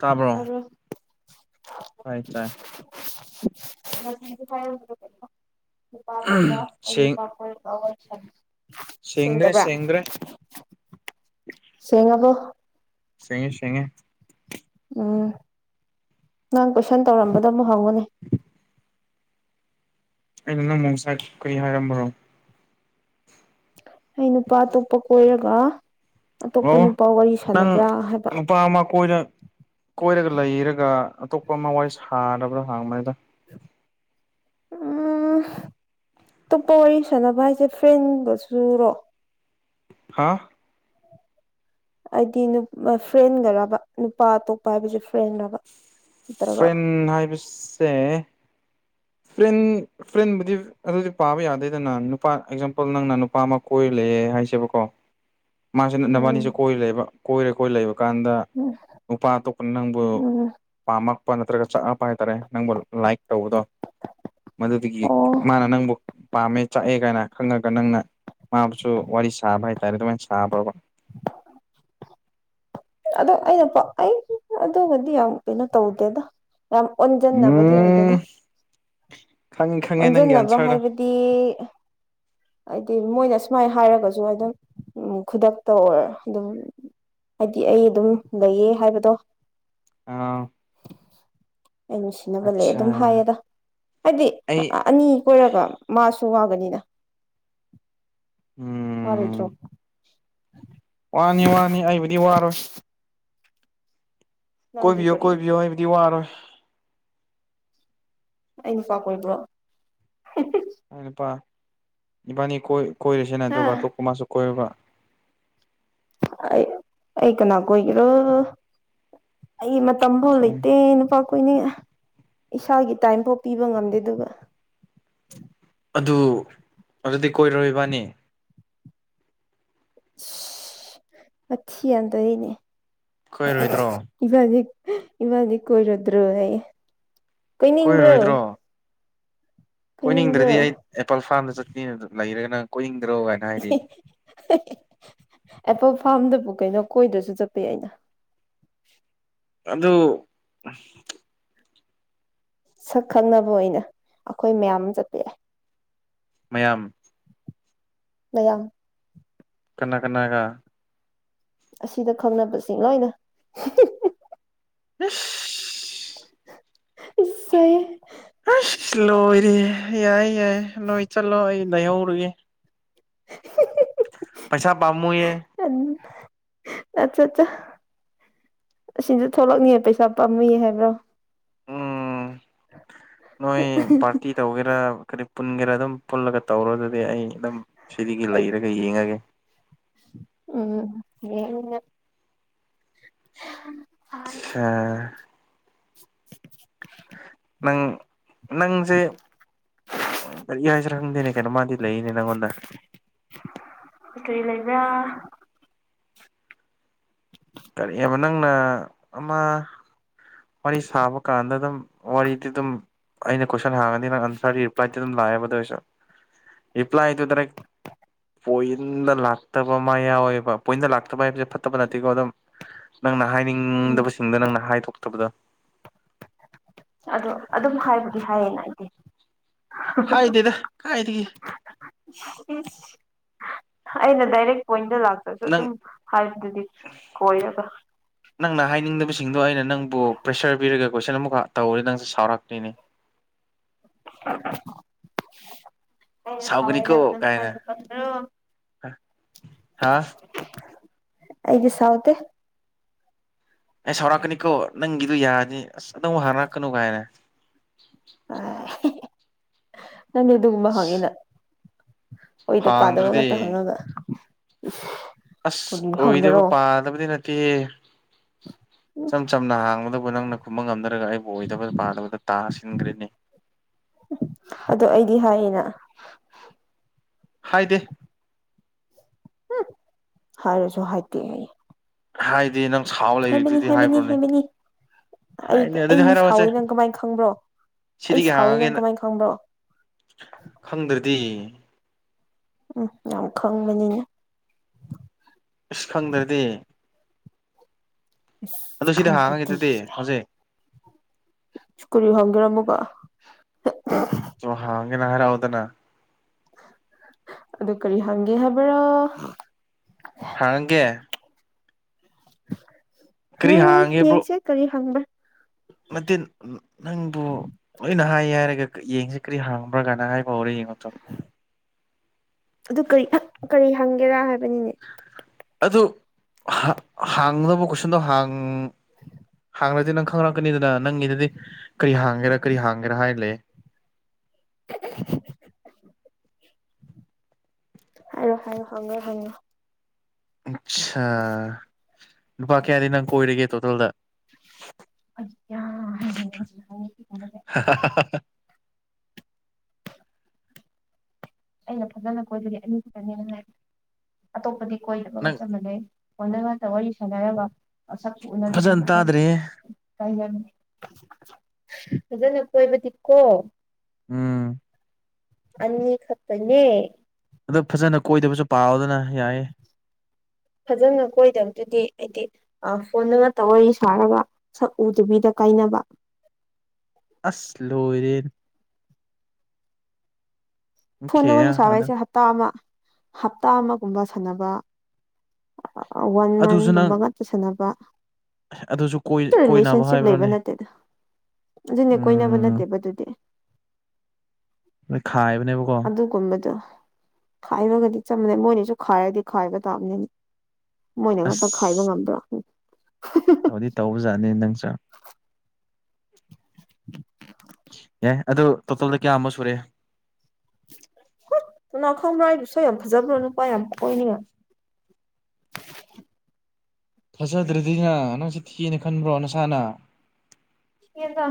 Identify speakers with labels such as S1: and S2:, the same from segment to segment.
S1: ꯇꯥꯕ꯭ꯔꯣ ꯇꯥꯢ ꯇꯥꯢ ꯁꯦꯡ
S2: [unintelligible]
S1: ꯁꯦꯡꯗ꯭ꯔꯦ
S2: ꯁꯦꯡꯗꯕ꯭ꯔꯥ
S1: ꯁꯦꯡꯗ꯭ꯔꯦ
S2: ꯁꯦꯡꯉꯕꯣ
S1: ꯁꯦꯡꯉꯦ ꯁꯦꯡꯉꯦ
S2: ꯎꯝ ꯅꯪ ꯇꯨꯏꯁꯟ ꯇꯧꯔꯝꯕꯗꯣ ꯑꯃꯨꯛ ꯍꯧꯑꯣꯅꯦ
S1: ꯑꯩꯅ ꯅꯪꯃꯣꯡꯁꯥꯏ ꯀꯔꯤ ꯍꯥꯏꯔꯝꯕ꯭ꯔꯣ
S2: ꯑꯩ ꯅꯨꯄꯥ ꯑꯇꯣꯞꯄ ꯀꯣꯏꯔꯒ ꯑꯇꯣꯞꯄ
S1: ꯑꯣ
S2: ꯅꯨꯄꯥ ꯋꯥꯔꯤ
S1: ꯅꯪ
S2: ꯁꯥꯟꯅꯕ꯭ꯔꯥ ꯍꯥꯏꯕ
S1: ꯅꯨꯄꯥ ꯑꯃ ꯀꯣꯏꯔ ꯀꯣꯏꯔꯒ ꯂꯩꯔꯒ ꯑꯇꯣꯞꯄ ꯑꯃꯋꯥꯏ ꯁꯥꯔꯕ꯭ꯔꯥ ꯍꯥꯡꯕꯅꯤꯗ
S2: ꯎꯝ ꯑꯇꯣꯞꯄ ꯋꯥꯔꯤ ꯁꯥꯟꯅꯕ ꯍꯥꯏꯁꯦ ꯐ꯭ꯔꯦꯟꯒ ꯁꯨꯔꯣ
S1: ꯍꯥ
S2: ꯍꯥꯏꯗꯤ ꯐ꯭ꯔꯦꯟꯒ꯭ꯔꯕ ꯅꯨꯄꯥ ꯑꯇꯣꯞꯄ ꯍꯥꯏꯕꯁꯦ ꯐ꯭ꯔꯦꯟꯕ
S1: ꯐ꯭ꯔꯦꯟ ꯍꯥꯏꯕꯁꯦ ꯐ꯭ꯔꯦꯟ ꯐ꯭ꯔꯦꯟꯕꯨꯗꯤ ꯑꯗꯨꯗꯤ ꯄꯥꯕ ꯌꯥꯗꯦꯗꯅ ꯅꯨꯄꯥ ꯑꯦꯛꯖꯥꯝꯄꯜ ꯅꯪꯅ ꯅꯨꯄꯥ ꯑꯃ ꯀꯣꯏ ꯂꯩꯌꯦ ꯍꯥꯏꯁꯦꯕ ꯀꯣ
S2: [inaudible]
S1: ꯃꯥꯁꯤ ꯅ ꯅꯕꯥꯅꯤꯁꯦ
S2: ꯎꯝ
S1: ꯀꯣꯏꯔ ꯂꯩꯕ ꯀꯣꯏꯔꯦ ꯀꯣꯏ ꯂꯩꯕ ꯗꯨꯀꯥꯟꯗ
S2: ꯎꯝ
S1: ꯅꯨꯄꯥ ꯑꯇꯣꯞꯄꯅ ꯅꯪꯕꯨ
S2: ꯎꯝ
S1: ꯄꯥꯝꯃꯛ ꯑꯄꯥ ꯅꯠꯇ꯭ꯔꯒ ꯆꯥꯛꯉꯛꯄ ꯍꯥꯏꯇꯥꯔꯦ ꯅꯪꯕꯨ ꯂꯥꯏꯛ ꯇꯧꯕꯗꯣ ꯃꯗꯨꯗꯒꯤ
S2: ꯑꯣ
S1: ꯃꯥꯅ ꯅꯪꯕꯨ ꯄꯥꯝꯃꯦ ꯆꯥꯛꯑꯦ ꯀꯥꯏꯅ ꯈꯪꯉꯒ ꯅꯪꯅ ꯃꯥꯕꯨꯁꯨ ꯋꯥꯔꯤ ꯁꯥꯕ ꯍꯥꯏꯇꯥꯔꯦ ꯑꯗꯨꯃꯥꯏꯅ ꯁꯥꯕ꯭ꯔꯕ
S2: ꯑꯗꯣ ꯑꯩꯅ ꯑꯩ ꯑꯗꯨꯒꯕꯨꯗꯤ ꯌꯥꯝ ꯀꯩꯅꯣ ꯇꯧꯗꯦꯗ ꯌꯥꯝ ꯑꯣꯟꯖꯤꯟꯅꯕꯗꯤ
S1: ꯎꯝ
S2: ꯑꯣꯏꯗꯦꯗ
S1: ꯈꯪꯉꯦ ꯈꯪꯉꯦ ꯅꯪꯒꯤ
S2: ꯑꯣꯟꯖꯤꯟꯅꯕ
S1: ꯑꯟꯁꯔꯗꯣ
S2: ꯍꯥꯏꯕꯗꯤ ꯍꯥꯏꯗꯤ ꯃꯣꯏꯅ ꯁꯨꯃꯥꯏꯅ ꯍꯥꯏꯔꯒꯁꯨ ꯑꯗꯨꯝ ꯈꯨꯗꯛꯇ ꯑꯣꯏꯔ ꯑꯗꯨꯝ ꯍꯥꯏꯗꯤ ꯑꯩ ꯑꯗꯨꯝ ꯂꯩꯌꯦ ꯍꯥꯏꯕꯗꯣ
S1: ꯑꯥ
S2: ꯑꯩ ꯅꯨꯡꯁꯤꯅꯕ ꯂꯩ
S1: ꯑꯠꯆꯥ
S2: ꯑꯗꯨꯝ ꯍꯥꯏꯌꯦꯗ ꯍꯥꯏꯗꯤ
S1: ꯑꯩ
S2: ꯑꯅꯤ ꯀꯣꯏꯔꯒ ꯃꯥꯁꯨ ꯋꯥꯒꯅꯤꯅ ꯋꯥꯔꯣꯏꯗ꯭ꯔꯣ
S1: ꯎꯝ ꯋꯥꯅꯤ ꯋꯥꯅꯤ ꯑꯩꯕꯨꯗꯤ ꯋꯥꯔꯣꯏ
S2: ꯅꯪꯗꯤ
S1: ꯀꯣꯏꯕꯤꯌꯣ
S2: ꯀꯔꯤ
S1: ꯀꯣꯏꯕꯤꯌꯣ ꯑꯩꯕꯨꯗꯤ ꯋꯥꯔꯣꯏ
S2: ꯑꯩ ꯅꯨꯄꯥ ꯀꯣꯏꯕ꯭ꯔꯣ
S1: ꯑꯩ ꯅꯨꯄꯥ ꯏꯕꯥꯅꯤ ꯀꯣꯏꯔꯁꯤꯅ
S2: ꯍꯥ
S1: ꯑꯗꯨꯒ ꯑꯇꯣꯞꯄ ꯃꯥꯁꯨ ꯀꯣꯏꯕ
S2: ꯑꯩ ꯑꯩ ꯀꯅꯥ ꯀꯣꯏꯒꯦꯔꯣ ꯑꯩ ꯃꯇꯝ ꯕꯧ ꯂꯩꯇꯦ ꯅꯨꯄꯥ ꯑꯈꯣꯏꯅꯤꯡ ꯏꯁꯥꯒꯤ ꯇꯥꯏꯝꯐꯥꯎ ꯄꯤꯕ ꯉꯝꯗꯦ ꯑꯗꯨꯒ
S1: ꯑꯗꯨ ꯑꯗꯨꯗꯤ ꯀꯣꯏꯔꯣꯏ ꯏꯕꯅꯤ
S2: ꯏꯁ ꯋꯥꯊꯤ ꯌꯥꯝ ꯇꯧꯏꯅꯦ
S1: ꯀꯣꯏꯔꯣꯏꯗ꯭ꯔꯣ
S2: ꯏꯃꯥꯗꯤ ꯀꯣꯏꯔꯗ꯭ꯔꯣ ꯀꯣꯏꯅꯤꯡꯕ꯭ꯔꯣ ꯀꯣꯏꯅꯤꯡꯕ꯭ꯔꯣ
S1: ꯀꯣꯏꯅꯤꯡꯗꯗꯤ ꯑꯩ ꯑꯦꯄꯜ ꯐꯥꯔꯝꯗ ꯆꯠꯀꯅ ꯂꯩꯔꯒꯅ ꯀꯣꯏꯅꯤꯡ
S2: ꯑꯇꯣꯞꯄ ꯐꯥꯝꯗꯕꯨ ꯀꯩꯅꯣ ꯀꯣꯏꯗ꯭ꯔꯁꯨ ꯆꯠꯄ ꯌꯥꯏꯅ
S1: ꯑꯗꯨ
S2: ꯁꯛ ꯈꯪꯅꯕ ꯑꯣꯏꯅ ꯑꯈꯣꯏ ꯃꯌꯥꯝ ꯑꯃ ꯆꯠꯄ ꯌꯥꯏ
S1: ꯃꯌꯥꯝ
S2: ꯃꯌꯥꯝ
S1: ꯀꯅꯥ ꯀꯅꯥꯒ
S2: ꯑꯁꯤꯗ ꯈꯪꯅꯕꯁꯤꯡ ꯂꯣꯏꯅ
S1: ꯏꯁ
S2: ꯏꯁ
S1: ꯏꯁ ꯂꯣꯏꯔ ꯌꯥꯏ ꯌꯥꯏ ꯅꯣꯏ ꯆꯠꯂꯣ ꯑꯩ ꯂꯩꯍꯧꯔꯒꯦ ꯄꯩꯁꯥ ꯄꯥꯝꯃꯨꯏꯌꯦ
S2: ꯑꯆꯥ ꯆꯥꯆꯥ ꯑꯁꯤꯁꯨ ꯊꯕꯛꯅꯦ ꯄꯩꯁꯥ ꯄꯥꯝꯃꯨꯏꯌꯦ ꯍꯥꯏꯕ
S1: ꯎꯝ ꯅꯣꯏ ꯄꯥꯔꯇꯤ ꯇꯧꯒꯦꯔ ꯀꯔꯤ ꯄꯨꯟꯒꯦꯔ ꯑꯗꯨꯝ ꯄꯨꯜꯂꯒ ꯇꯧꯔꯣ ꯑꯗꯨꯗꯤ ꯑꯩ ꯑꯗꯨꯝ ꯁꯤꯗꯒꯤ ꯂꯩꯔꯒ ꯌꯦꯡꯉꯒꯦ
S2: ꯎꯝ ꯌꯦꯡꯅꯤ ꯅꯪ
S1: ꯑꯠꯁꯥ ꯅꯪ ꯅꯪꯖꯦ ꯀꯔꯤ ꯍꯥꯏꯁꯤꯔ ꯈꯪꯗꯦꯅꯦ ꯀꯩꯅꯣꯃꯗꯤ ꯂꯩꯌꯦꯅꯦ ꯅꯪꯉꯣꯟꯗ
S2: ꯀꯩ ꯂꯩꯕ꯭ꯔꯥ
S1: ꯀꯔꯤꯑꯕ ꯅꯪꯅ ꯑꯃ ꯋꯥꯔꯤ ꯁꯥꯕ ꯀꯥꯟꯗ ꯑꯗꯨꯝ ꯋꯥꯔꯤꯗꯤ ꯑꯗꯨꯝ ꯑꯩꯅ ꯀ ꯍꯥꯡꯉꯅꯤ ꯅꯪ ꯑꯟꯁꯔ ꯔꯤꯄ꯭ꯂꯥꯏꯗꯨ ꯑꯗꯨꯝ ꯂꯥꯛꯑꯦꯕꯗ ꯑꯗꯨ ꯑꯣꯏꯁꯨ ꯔꯤꯄ꯭ꯂꯥꯏꯗꯨ ꯗꯥꯏꯔꯦꯛ ꯄꯣꯏꯟꯗ ꯂꯥꯛꯇꯕ ꯑꯃ ꯌꯥꯎꯋꯦꯕ ꯄꯣꯏꯟꯗ ꯂꯥꯛꯇꯕ ꯍꯥꯏꯕꯁꯦ ꯐꯠꯇꯕ ꯅꯠꯇꯦꯀꯣ ꯑꯗꯨꯝ ꯅꯪꯅ
S2: ꯎꯝ
S1: ꯍꯥꯏꯅꯤꯡꯗꯕꯁꯤꯡꯗꯣ ꯅꯪꯅ ꯍꯥꯏꯗꯣꯛꯇꯕꯗꯣ
S2: ꯑꯗꯣ ꯑꯗꯨꯝ ꯍꯥꯏꯕꯨꯗꯤ ꯍꯥꯏꯌꯦꯅ ꯑꯩꯗꯤ
S1: ꯍꯥꯏꯗꯦꯗ ꯀꯥꯏꯗꯤ
S2: ꯑꯩꯅ ꯗꯥꯏꯔꯦꯛ ꯄꯣꯏꯟꯗ ꯂꯥꯛꯇ꯭ꯔꯁꯨ
S1: ꯅꯪ
S2: ꯑꯗꯨꯝ ꯍꯥꯏꯕꯗꯨꯗꯤ ꯀꯣꯏꯔꯒ
S1: ꯁꯤꯡꯗꯣ ꯑꯩꯅ ꯅꯪꯕꯨ ꯄ꯭ꯔꯦꯁꯔ ꯄꯤꯔꯒ ꯀꯣꯏꯁꯟ ꯑꯃꯨꯛꯈꯛ ꯇꯧꯋꯦ ꯅꯪꯁꯦ ꯁꯥꯎꯔꯛꯇꯦꯅꯦ
S2: ꯑꯩꯅ ꯁꯥꯎꯋꯦ ꯅꯪ ꯑꯗꯨꯃꯥꯏ ꯈꯟꯕ꯭ꯔꯣ
S1: ꯍꯥꯥ
S2: ꯑꯩꯗꯤ ꯁꯥꯎꯇꯦ
S1: ꯑꯩ ꯁꯥꯎꯔꯛꯀꯅꯤꯀꯣ ꯅꯪꯒꯤꯗꯨ ꯌꯥꯅꯤ ꯑꯁ ꯑꯗꯨꯝ ꯍꯥꯏꯔꯛꯀꯅꯨ ꯀꯥꯏꯅ
S2: ꯅꯪꯅꯦ ꯑꯗꯨꯒꯨꯝꯕ ꯍꯪꯉꯤꯅ ꯑꯣꯏꯗ ꯄꯥꯗꯕ
S1: ꯍꯥꯡꯗ꯭ꯔꯗꯤ
S2: ꯉꯥꯛꯇ ꯍꯪꯉꯒ ꯏꯁ
S1: ꯑꯁ ꯑꯣꯏꯗꯕ ꯄꯥꯗꯕꯗꯤ ꯅꯠꯇꯦ ꯏꯆꯝ ꯆꯝꯅ ꯍꯥꯡꯕꯗ [unintelligible] ꯅꯪꯅ ꯈꯨꯝꯕ ꯉꯝꯗ ꯅꯔꯒ ꯑꯩꯕꯨ ꯑꯣꯏꯗꯕ ꯄꯥꯗꯕꯗ ꯇꯥꯁꯤꯟꯈ꯭ꯔꯦꯅꯦ
S2: ꯑꯗꯣ ꯑꯩꯗꯤ ꯍꯥꯏꯌꯦꯅ
S1: ꯍꯥꯏꯗꯦ
S2: ꯍꯪ ꯍꯥꯟꯅꯁꯨ ꯍꯥꯏꯇꯦꯅꯦ
S1: ꯍꯥꯏꯗꯤ ꯑꯗꯨꯝ
S2: ꯍꯥꯏꯕꯅꯤ ꯍꯥꯏꯕꯅꯤ ꯍꯥꯏꯕꯅꯤ ꯑꯩ
S1: ꯍꯥꯏꯅꯦ ꯑꯗꯨꯗꯤ
S2: ꯑꯩ
S1: ꯍꯥꯏꯔꯛꯑꯣꯁꯦ
S2: ꯁꯥꯎꯋꯤ ꯅꯪ ꯀꯃꯥꯏꯅ ꯈꯪꯕ꯭ꯔꯣ ꯑꯩ
S1: ꯁꯤꯗꯒꯤ
S2: ꯁꯥꯎꯋꯤ ꯅꯪ
S1: ꯍꯥꯡꯉꯒꯦꯅ
S2: ꯀꯃꯥꯏ ꯈꯪꯕ꯭ꯔꯣ
S1: ꯈꯪꯗ꯭ꯔꯗꯤ
S2: ꯎꯝ ꯌꯥꯝ ꯈꯪꯪꯕꯅꯤꯅ
S1: ꯑꯁ ꯈꯪꯗ꯭ꯔꯗꯤ
S2: ꯑꯁ
S1: ꯑꯗꯨ ꯁꯤ ꯊꯥꯔꯔꯣꯏꯒꯦ ꯍꯧꯖꯤꯛ
S2: ꯁ꯭ꯀꯨꯜ [unintelligible] ꯑꯃꯨꯛꯀ
S1: ꯆꯣꯡ ꯍꯥꯡꯉꯦꯅ ꯍꯔꯥꯎꯗꯅ
S2: ꯑꯗꯨ ꯀꯔꯤ ꯍꯪꯒꯦ ꯍꯥꯏꯕ꯭ꯔꯥ
S1: ꯍꯥꯡꯒꯦ ꯀꯔꯤ
S2: ꯍꯝ ꯌꯦꯡꯁꯦ ꯀꯔꯤ ꯍꯪꯕ꯭ꯔ
S1: ꯃꯠꯇꯤꯟ ꯅꯪꯕꯨ ꯂꯣꯏꯅ ꯍꯥꯏ ꯍꯥꯏꯔꯒ ꯌꯦꯡꯁꯤ ꯀꯔꯤ ꯍꯥꯡꯕ꯭ꯔꯥ ꯀꯥꯏꯅ ꯍꯥꯏꯕ ꯍꯧꯔꯦ ꯌꯦꯡꯉꯣꯇꯣ
S2: ꯑꯗꯨ ꯀꯔꯤ ꯀꯔꯤ ꯍꯪꯒꯦꯔꯥ ꯍꯥꯏꯕꯅꯤꯅꯦ
S1: ꯑꯗꯨ ꯍꯥꯡꯅꯕ ꯀꯣꯏꯁꯟꯗꯣ ꯍꯪ
S2: [inaudible]
S1: ꯍꯪꯂꯗꯤ ꯅꯪ ꯈꯪꯂꯛꯀꯅꯤꯗꯅ ꯅꯪꯒꯤꯗꯗꯤ ꯀꯔꯤ ꯍꯪꯒꯦꯔꯥ ꯀꯔꯤ ꯍꯪꯒꯦꯔꯥ ꯍꯥꯏ ꯂꯩ
S2: [inaudible] ꯍꯥꯏꯔꯣ ꯍꯥꯏꯔꯣ ꯍꯪꯉꯣ ꯍꯪꯉꯣ
S1: ꯑꯁꯥ ꯅꯨꯄꯥ ꯀꯌꯥꯗꯤ ꯅꯪ ꯀꯣꯏꯔꯒꯦ ꯇꯣꯇꯦꯜꯗ
S2: ꯌꯥ
S1: ꯍꯥ ꯍꯥ ꯍꯥ
S2: ꯑꯩꯅ ꯐꯖꯅ ꯀꯣꯏꯕꯗꯤ ꯑꯅꯤ ꯈꯠꯇꯅꯦ ꯑꯇꯣꯞꯄꯗꯤ ꯀꯣꯏꯗꯕꯒ
S1: ꯅꯪ
S2: ꯆꯞ ꯃꯥꯟꯅꯩ ꯐꯣꯟꯗꯉꯥꯛꯇ ꯋꯥꯔꯤ ꯁꯥꯟꯅꯔꯕ ꯃꯁꯛꯁꯨ ꯎꯅꯒ꯭ꯔꯤꯗꯤ
S1: ꯐꯖꯅ
S2: ꯑꯗꯨꯝ
S1: ꯇꯥꯗ꯭ꯔꯦꯍꯦ
S2: ꯐꯖꯅ ꯀꯣꯏꯕꯗꯤ ꯀꯣ
S1: ꯎꯝ
S2: ꯑꯅꯤ ꯈꯇꯅꯦ
S1: ꯑꯗꯣ ꯐꯖꯅ ꯀꯣꯏꯗꯕꯁꯨ ꯄꯥꯎꯑꯣꯗꯅ ꯌꯥꯏ
S2: ꯐꯖꯅ ꯀꯣꯏꯗꯕꯗꯨꯗꯤ ꯑꯩꯗꯤ ꯐꯣꯟꯗ ꯉꯥꯛꯇ ꯋꯥꯔꯤ ꯁꯥꯔꯒ ꯁꯛ ꯎꯗꯕꯤꯗ ꯀꯥꯏꯅꯕ
S1: ꯑꯁ ꯂꯣꯏꯔꯦ
S2: ꯐꯣꯟꯗ
S1: ꯈꯦ
S2: ꯋꯥꯔꯤ ꯁꯥꯕ
S1: ꯑꯗ
S2: ꯍꯥꯏꯁꯦ ꯍꯞꯇꯥ ꯑꯃ ꯍꯞꯇꯥ ꯑꯃꯒꯨꯝꯕ ꯁꯥꯟꯅꯕ ꯋꯥꯟ
S1: ꯑꯗꯨꯁꯨ ꯅꯪ
S2: ꯃꯟꯒꯨꯝꯕ ꯉꯥꯛꯇ ꯁꯥꯟꯅꯕ
S1: ꯑꯗꯨꯁꯨ ꯀꯣꯏ ꯀꯣꯏꯅꯕ
S2: ꯔꯤꯂꯦꯁꯟꯁꯤꯞ ꯂꯩꯕ
S1: ꯍꯥꯏꯕ꯭ꯔꯣꯅꯦ
S2: ꯅꯠꯇꯦꯗ ꯑꯗꯨꯅꯦ ꯀꯣꯏꯅꯕ ꯅꯠꯇꯦꯕ ꯑꯗꯨꯗꯤ
S1: ꯈꯥꯏꯕꯅꯦ
S2: ꯑꯗꯨꯒꯨꯝꯕꯗꯣ ꯈꯥꯏꯕꯒꯗꯤ ꯆꯞ ꯃꯥꯟꯅꯩ ꯃꯣꯏꯅꯁꯨ ꯈꯥꯏꯔꯗꯤ ꯈꯥꯏꯕ ꯇꯥꯕꯅꯤ ꯃꯣꯏꯅ ꯉꯥꯛꯇ ꯈꯥꯏꯕ
S1: ꯑꯁ
S2: ꯉꯝꯕ꯭ꯔꯥ
S1: ꯇꯧꯗꯤ ꯇꯧꯕꯖꯥꯠꯅꯤ ꯅꯪꯁꯨ ꯌꯥꯏ ꯑꯗꯨ ꯇꯣꯇꯣꯜꯗꯤ ꯀꯌꯥ ꯑꯃ ꯁꯨꯔꯦ
S2: ꯀꯅꯥ ꯈꯪꯕ꯭ꯔꯥ ꯑꯩꯕꯨ ꯁꯛ ꯌꯥꯝ ꯐꯖꯕ꯭ꯔꯣ ꯅꯨꯄꯥ ꯌꯥꯝ ꯀꯣꯏꯅꯤ [inaudible]
S1: ꯐꯥꯖꯗ꯭ꯔꯗꯤꯅ ꯅꯪꯁꯦ ꯊꯤꯌꯦꯅ ꯈꯟꯕ꯭ꯔꯣ ꯅꯁꯥꯅ
S2: ꯊꯤꯌꯦꯗ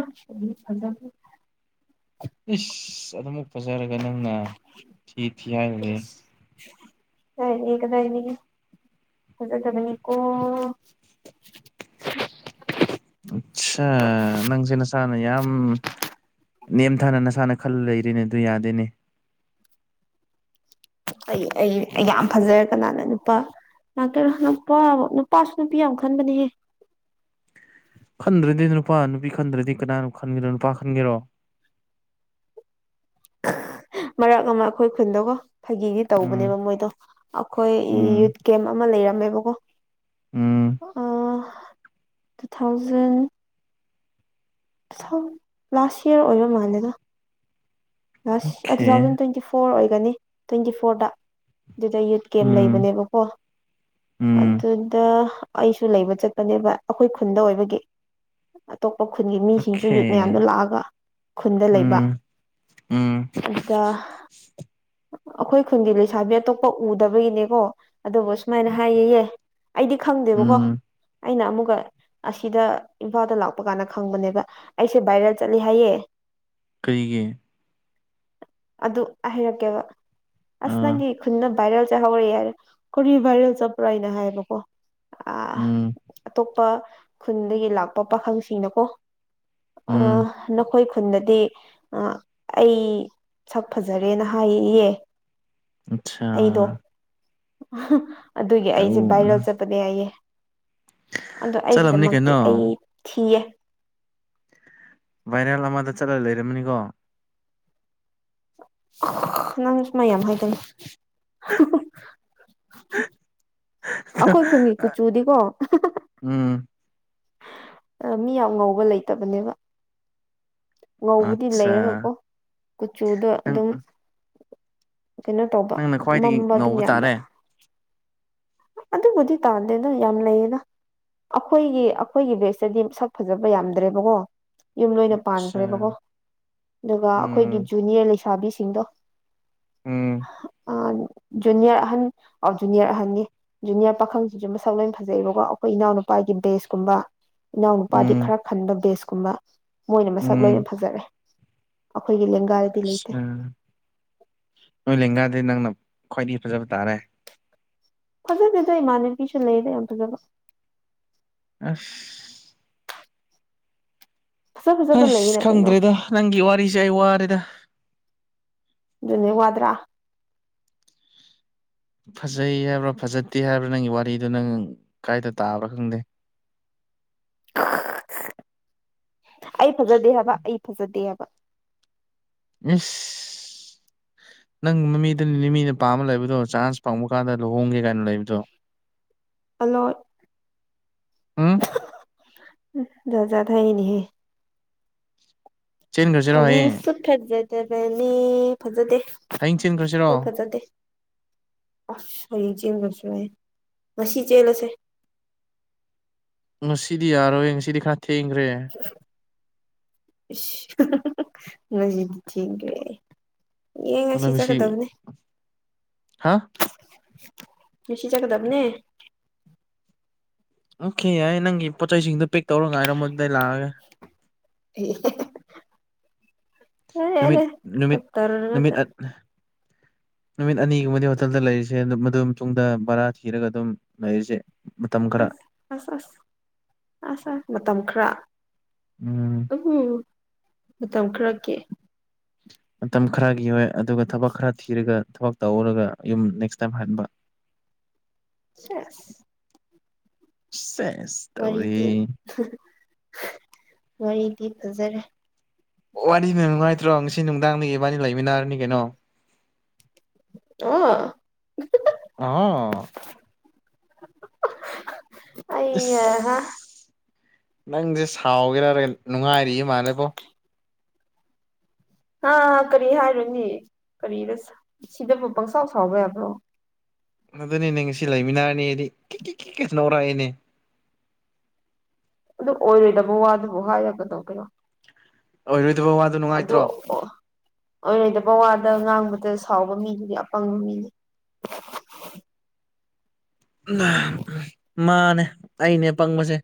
S1: ꯏꯁ ꯑꯗꯨꯝꯨꯛ ꯐꯖꯔꯒ ꯅꯪꯅ ꯊꯤ ꯊꯤ ꯍꯥꯏꯕꯗꯤ
S2: ꯀꯥꯏꯅꯤ ꯀꯗꯥꯏꯅꯤ ꯐꯖ ꯊꯃꯤꯅꯤꯀꯣ
S1: ꯑꯆꯥ ꯅꯪꯁꯦ ꯅꯁꯥꯅ ꯌꯥꯝ ꯅꯦꯝꯊꯥꯅ ꯅꯁꯥꯅ ꯈꯜꯂ ꯂꯩꯔꯤꯅꯦ ꯑꯗꯨ ꯌꯥꯗꯦꯅꯦ
S2: ꯑꯩ ꯑꯩ ꯌꯥꯝ ꯐꯖꯔꯦ ꯀꯅꯥꯅꯣ ꯅꯨꯄꯥ ꯗꯥꯛꯇꯔ ꯅꯨꯄꯥ ꯅꯨꯄꯥꯁꯨ ꯅꯨꯄꯤ ꯌꯥꯝ ꯈꯟꯕꯅꯦꯍꯦ
S1: ꯈꯟꯗ꯭ꯔꯗꯤ ꯅꯨꯄꯥ ꯅꯨꯄꯤ ꯈꯟꯗ꯭ꯔꯗꯤ ꯀꯅꯥꯅꯣ ꯈꯟꯒꯦꯔꯣ ꯅꯨꯄꯥ ꯈꯟꯒꯦꯔꯣ
S2: ꯃꯔꯥꯛ ꯑꯃ ꯑꯩꯈꯣꯏ ꯈꯨꯟꯗꯀꯣ ꯐꯥꯒꯤꯗꯤ
S1: ꯎꯝ
S2: ꯇꯧꯕꯅꯦꯕ ꯃꯣꯏꯗꯣ ꯑꯩꯈꯣꯏ
S1: ꯎꯝ
S2: ꯌꯨꯠ ꯀꯦꯝ ꯑꯃ ꯂꯩꯔꯝꯃꯦꯕꯀꯣ
S1: ꯎꯝ
S2: ꯇꯨ ꯊꯥꯎꯖꯟ ꯂꯥꯁ ꯏꯌꯥꯔ ꯑꯣꯏꯕ ꯃꯥꯜꯂꯦꯗ last two thousand
S1: okay
S2: twenty four ꯑꯣꯏꯒꯅꯤ ꯇ꯭ꯋꯦꯟꯇꯤ ꯐꯣꯔꯗ ꯑꯗꯨꯗ ꯌꯨꯠ ꯀꯦꯝ
S1: ꯎꯝ
S2: ꯂꯩꯕꯅꯦꯕꯀꯣ
S1: ꯎꯝ
S2: ꯑꯗꯨꯗ ꯑꯩꯁꯨ ꯂꯩꯕ ꯆꯠꯄꯅꯦꯕ ꯑꯩꯈꯣꯏ ꯈꯨꯟꯗ ꯑꯣꯏꯕꯒꯤ ꯑꯇꯣꯞꯄ ꯈꯨꯟ ꯈꯨꯟꯒꯤ ꯃꯤꯁꯤꯡꯁꯨ ꯌꯨꯠ ꯃꯌꯥꯝꯗꯣ
S1: ꯑꯣꯀꯦ
S2: ꯂꯥꯛꯑꯒ ꯈꯨꯟꯗ ꯂꯩꯕ
S1: ꯎꯝ ꯎꯝ
S2: ꯑꯗ ꯑꯩꯈꯣꯏ ꯈꯨꯟꯒꯤ ꯂꯩꯁꯥꯕꯤ ꯑꯇꯣꯞꯄ ꯎꯗꯕꯒꯤꯅꯦꯀꯣ ꯑꯗꯨꯕꯨ ꯁꯨꯃꯥꯏꯅ ꯍꯥꯏꯌꯦꯌꯦ ꯑꯩꯗꯤ ꯈꯪꯗꯦꯕꯀꯣ
S1: ꯎꯝ
S2: ꯑꯩꯅ ꯑꯃꯨꯛꯀ ꯑꯁꯤꯗ ꯏꯝꯐꯥꯜꯗ ꯂꯥꯛꯄ ꯀꯥꯟꯗ ꯈꯪꯕꯅꯦꯕ ꯑꯩꯁꯦ ꯚꯥꯏꯔꯦꯜ ꯆꯠꯂꯦ ꯍꯥꯏꯌꯦ
S1: ꯀꯔꯤꯒꯤ
S2: ꯑꯗꯨ ꯍꯩꯔꯛꯀꯦꯕ ꯑꯁ
S1: ꯑꯥ
S2: ꯅꯪꯒꯤ ꯈꯨꯟꯅ ꯚꯥꯏꯔꯦꯜ ꯆꯠꯍꯧꯔꯦ ꯍꯥꯏꯔꯦ ꯀꯔꯤ ꯚꯥꯏꯔꯦꯜ ꯆꯠꯄ꯭ꯔꯥ ꯑꯩꯅ ꯍꯥꯏꯌꯦꯕꯀꯣ
S1: ꯎꯝ
S2: ꯑꯇꯣꯞꯄ ꯈꯨꯟꯗꯒꯤ ꯂꯥꯛꯄ ꯄꯥꯈꯪꯁꯤꯡꯅꯀꯣ
S1: ꯎꯝ
S2: ꯅꯈꯣꯏ ꯈꯨꯟꯗꯗꯤ ꯑꯩ ꯁꯛ ꯐꯖꯔꯦꯅ ꯍꯥꯏꯌꯦꯌꯦ
S1: ꯑꯆꯥ
S2: ꯑꯩꯗꯣ ꯑꯗꯨꯒꯤ ꯑꯩꯁꯦ ꯚꯥꯏꯔꯣꯜ ꯆꯠꯄꯅꯦ ꯍꯥꯏꯌꯦ ꯑꯗꯣ
S1: ꯆꯠꯂꯝꯅꯤ
S2: ꯑꯩꯒꯤꯗꯃꯛꯇꯤ
S1: ꯀꯩꯅꯣ
S2: ꯑꯩ ꯊꯤꯌꯦ
S1: ꯚꯥꯏꯔꯦꯜ ꯑꯃꯗ ꯆꯠꯂꯒ ꯂꯩꯔꯝꯃꯅꯤꯀꯣ
S2: ꯅꯪ ꯁꯨꯃꯥꯏ ꯌꯥꯝ ꯍꯥꯏꯒꯜꯂꯤ ꯑꯈꯣꯏ ꯈꯨꯟꯒꯤ ꯀꯨꯆꯨꯗꯤꯀꯣ ꯍꯥꯍꯥ
S1: ꯎꯝ
S2: ꯃꯤ ꯌꯥꯝ ꯉꯧꯕ ꯂꯩꯇꯕꯅꯦꯕ ꯉꯧꯕꯗꯤ
S1: ꯑꯠꯁꯥ
S2: ꯂꯩꯔꯒꯀꯣ ꯀꯨꯆꯨꯗꯣ
S1: ꯅꯪ
S2: ꯑꯗꯨꯝ ꯀꯩꯅꯣ ꯇꯧꯕ
S1: ꯅꯪꯅ ꯈ꯭ꯋꯥꯏꯗꯒꯤ
S2: ꯃꯝꯕ ꯑꯗꯨꯝ
S1: ꯉꯧꯕ
S2: ꯌꯥꯝꯕ
S1: ꯇꯥꯔꯦ
S2: ꯑꯗꯨꯕꯨꯗꯤ ꯇꯥꯗꯦꯗ ꯌꯥꯝ ꯂꯩꯌꯦꯗ ꯑꯈꯣꯏꯒꯤ ꯑꯈꯣꯏꯒꯤ ꯕꯦꯁꯇꯗꯤ ꯁꯛ ꯐꯖꯕ ꯌꯥꯝꯗ꯭ꯔꯦꯕꯀꯣ ꯌꯨꯝ ꯂꯣꯏꯅ
S1: ꯑꯠꯁꯥ
S2: ꯄꯥꯟꯈ꯭ꯔꯦꯕꯀꯣ ꯑꯗꯨꯒ ꯑꯈꯣꯏꯒꯤ
S1: ꯎꯝ
S2: ꯖꯨꯅꯤꯌꯔ ꯂꯩꯁꯥꯕꯤꯁꯤꯡꯗꯣ
S1: ꯎꯝ
S2: ꯑꯥ ꯖꯨꯅꯤꯌꯔ ꯑꯍꯟ ꯑꯣ ꯖꯨꯅꯤꯌꯔ ꯑꯍꯟꯅꯤ ꯖꯨꯅꯤꯌꯥꯔ ꯄꯥꯈꯪꯁꯤꯡꯁꯨ ꯃꯁꯛ ꯂꯣꯏꯅ ꯐꯖꯩꯑꯕꯀꯣ ꯑꯈꯣꯏ ꯏꯅꯥꯎꯅꯨꯄꯥꯒꯤ ꯕꯦꯁꯀꯨꯝꯕ ꯏꯅꯥꯎ ꯅꯨꯄꯥꯗꯤ
S1: ꯎꯝ
S2: ꯈꯔ ꯍꯟꯕ ꯕꯦꯁꯀꯨꯝꯕ ꯃꯣꯏꯅ ꯃꯁꯛ ꯂꯣꯏꯅ
S1: ꯎꯝ
S2: ꯐꯖꯔꯦ ꯑꯈꯣꯏꯒ ꯂꯦꯡꯒ
S1: ꯑꯠꯁꯥ ꯅꯣꯏ ꯂꯦꯡꯒꯥꯗꯤ ꯅꯪꯅ ꯈ꯭ꯋꯥꯏꯗꯒꯤ ꯐꯖꯕ ꯇꯥꯔꯦ
S2: ꯐꯖꯗꯦꯗ ꯏꯃꯥꯟꯅꯕꯤꯁꯨ ꯂꯩꯗ ꯌꯥꯝ ꯐꯖꯕ
S1: ꯑꯁ
S2: ꯐꯖ ꯐꯖꯕ
S1: ꯑꯁ
S2: ꯂꯩꯌꯦꯅ ꯀꯩꯅꯣ
S1: ꯈꯪꯗ꯭ꯔꯦꯗ ꯅꯪꯒꯤ ꯋꯥꯔꯤꯁꯦ ꯑꯩ ꯋꯥꯔꯦꯗ
S2: ꯑꯗꯨꯅꯤ ꯋꯥꯗ꯭ꯔꯥ
S1: ꯐꯖꯩ ꯍꯥꯏꯕ꯭ꯔꯥ ꯐꯖꯗꯦ ꯍꯥꯏꯕ꯭ꯔꯥ ꯅꯪꯒꯤ ꯋꯥꯔꯤꯗꯣ ꯅꯪ ꯀꯗꯥꯥꯏꯗ ꯇꯥꯕ꯭ꯔꯥ ꯈꯪꯗꯦ
S2: [inaudible] ꯑꯩ ꯐꯖꯗꯦ ꯍꯥꯏꯕ ꯑꯩ ꯐꯖꯗꯦ ꯍꯥꯏꯕ
S1: ꯏꯁ
S2: [inaudible]
S1: ꯅꯪ ꯃꯃꯤꯗꯨꯃꯤꯅ ꯄꯥꯝꯃ ꯂꯩꯕꯗꯣ ꯆꯥꯟꯁ ꯐꯪꯕ ꯀꯥꯟꯗ ꯂꯨꯍꯣꯡꯒꯦ ꯀꯥꯏꯅ ꯂꯩꯕꯗꯣ
S2: ꯑꯜꯂꯣꯠ
S1: ꯎꯝ
S2: ꯖꯥꯠ ꯖꯥꯠ ꯍꯥꯏꯌꯦꯅꯦꯍꯦ
S1: ꯆꯦꯟꯈ꯭ꯔꯁꯤꯔꯣ ꯍꯌꯦꯡ
S2: ꯀꯔꯤꯁꯨ ꯐꯖꯗꯗ ꯅꯦ ꯐꯖꯗꯦ
S1: ꯍꯌꯦꯡ ꯆꯦꯟꯈ꯭ꯔꯁꯤꯔꯣ
S2: ꯈꯣꯏ ꯐꯖꯗꯦ ꯑꯁꯍꯌꯦꯟ ꯆꯦꯟꯒꯗ꯭ꯔ ꯉꯁꯤ ꯆꯦꯜꯂꯁꯦ
S1: ꯉꯁꯤꯗꯤ ꯌꯥꯔꯣꯏꯌꯦ ꯉꯁꯤꯗꯤ ꯈꯔ ꯊꯦꯡꯈ꯭ꯔꯦ
S2: ꯏꯁ ꯍꯥꯍꯥ ꯉꯁꯤꯗꯤ ꯊꯦꯡꯈꯔꯦꯌꯦ ꯌꯦꯡ ꯉꯁꯤ ꯆꯠꯀꯗꯕꯅꯦ
S1: ꯍꯥ
S2: ꯉꯁꯤ ꯆꯠꯒꯗꯕꯅꯦ
S1: ꯑꯣꯀꯦ ꯌꯥꯏ ꯅꯪꯒꯤ ꯄꯣꯠꯆꯩꯁꯤꯡꯗꯣ ꯄꯦꯛ ꯇꯧꯔ ꯉꯥꯏꯔꯝꯃꯣ ꯑꯗꯨꯗꯤ ꯑꯩ ꯂꯥꯛꯑꯒꯦ
S2: ꯑꯦ ꯍꯦꯍꯦ ꯌꯥꯔꯦ
S1: ꯅꯨꯃꯤꯠ
S2: ꯌꯥꯔꯦ
S1: ꯅꯨꯃꯤꯠ
S2: ꯀꯥꯗ꯭ꯔ
S1: ꯅꯨꯃꯤꯠ
S2: ꯉꯥꯛꯇ
S1: ꯅꯨꯃꯤꯠ ꯑꯅꯤꯒꯨꯝꯕꯗꯤ ꯍꯣꯇꯦꯜꯗ ꯂꯩꯔꯁꯦ ꯃꯗꯨꯝ ꯇꯨꯡꯗ ꯕꯔꯥ ꯊꯤꯔꯒ ꯑꯗꯨꯝ ꯂꯩꯔꯁꯦ
S2: ꯑꯁ ꯑꯁ ꯑꯁ ꯑꯁ ꯑꯁ ꯃꯇꯝ ꯈꯔ
S1: ꯎꯝ
S2: ꯎ ꯃꯇꯝ ꯈꯔꯀꯤ
S1: ꯃꯇꯝ ꯈꯔꯒꯤ ꯑꯣꯏ ꯑꯗꯨꯒ ꯊꯕꯛ ꯈꯔ ꯊꯤꯔꯒ ꯊꯕꯛ ꯇꯧꯍꯔꯒ ꯌꯨꯝ ꯅꯦꯛꯁ ꯇꯥꯏꯝ ꯍꯥꯏꯟꯕ
S2: ꯁꯦꯁ
S1: ꯁꯦꯁ
S2: ꯋꯥꯔꯤꯗꯤ
S1: ꯇꯧꯔꯦꯍꯦ
S2: ꯋꯥꯔꯤꯗꯤ ꯐꯖꯔꯦ
S1: ꯑꯣ ꯋꯥꯔꯤ ꯃꯌꯥꯝ ꯅꯨꯡꯉꯥꯏꯇ꯭ꯔꯣ ꯉꯁꯤ ꯅꯨꯡꯗꯥꯡꯗꯒꯤ ꯏꯕꯥꯅꯤ ꯂꯩꯃꯤꯟꯅꯔꯅꯤ ꯀꯩꯅꯣ
S2: [unintelligible]
S1: ꯑꯣ
S2: ꯑꯩ ꯍꯥ
S1: ꯏꯁ ꯅꯪꯁꯦ ꯁꯥꯎꯒꯦꯔ ꯅꯨꯡꯉꯥꯏꯔꯤ ꯃꯥꯜꯂꯦꯕꯣ
S2: ꯍꯥ ꯀꯔꯤ ꯍꯥꯏꯔꯨꯅꯤ ꯀꯔꯤꯗ ꯁꯤꯗꯕꯨ ꯄꯪꯁꯥꯎ ꯁꯥꯎꯕ ꯌꯥꯕ꯭ꯔꯣ
S1: ꯑꯗꯨꯅꯤꯅꯦ ꯉꯁꯤ ꯂꯩꯃꯤꯟꯅꯔꯅꯤ ꯑꯩꯗꯤ ꯀꯤꯛ ꯀꯤ ꯀꯤ ꯅꯣꯔꯛꯑꯦꯅꯦ
S2: ꯑꯗꯨ ꯑꯣꯏꯔꯣꯏꯗꯕ ꯋꯥꯗꯨꯕꯨ ꯍꯥꯏꯔ ꯀꯩꯗꯧꯗꯣꯢꯅꯣ
S1: ꯑꯣꯏꯔꯣꯏꯗꯕ ꯋꯥꯗꯣ ꯅꯨꯡꯉꯥꯏꯇ꯭ꯔꯣ
S2: ꯑꯣꯏꯔꯣꯢꯗꯕ ꯋꯥꯗ ꯉꯥꯡꯕꯗ ꯁꯥꯎꯕ ꯃꯤꯗꯨꯗꯤ ꯑꯄꯪꯕ ꯃꯤꯅꯤ [inaudible]
S1: ꯃꯥꯅꯦ ꯑꯩꯅꯦ ꯑꯄꯪꯕꯁꯦ